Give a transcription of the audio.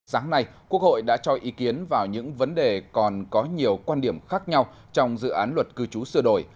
sáng nay quốc hội đã cho ý kiến vào những vấn đề còn có nhiều quan điểm khác nhau trong dự án luật cư trú sửa đổi